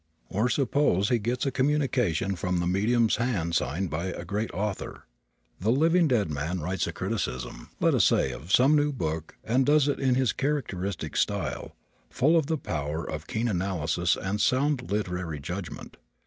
Or suppose he gets a communication from the medium's hand signed by a great author. The living dead man writes a criticism, let us say, of some new book and does it in his characteristic style, full of the power of keen analysis and sound literary judgment.